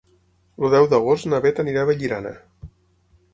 El deu d'agost na Bet anirà a Vallirana.